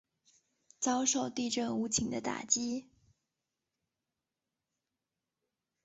遭受地震无情的打击